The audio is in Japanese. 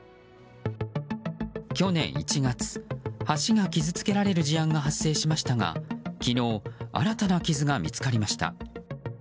去年１月、橋が傷つけられる事案が発生しましたが昨日新たな傷が見つかりました。